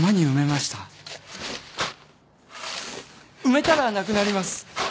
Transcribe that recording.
埋めたらなくなります。